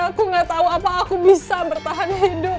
aku gak tahu apa aku bisa bertahan hidup